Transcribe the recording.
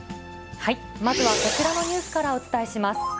まずはこちらのニュースからお伝えします。